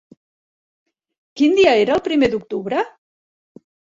Quin dia era el primer d'octubre?